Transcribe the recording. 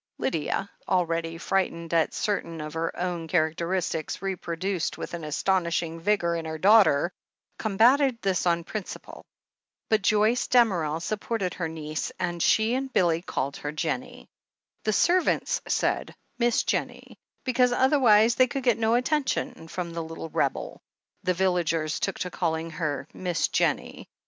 Lydia, already frightened at certain of her own characteristics reproduced with astonishing vigour in her daughter, combated this on principle. But Joyce Damerel supported her niece, and she and Billy called her "Jennie." The servants said "Miss Jennie" be cause otherwise they could get no attention from the THE HEEL OF ACHILLES 329 little rebel — ^the villagers took to calling her "Miss Jennie."